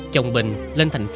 chồng bình lên thành phố